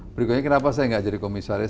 berikutnya kenapa saya gak jadi komisaris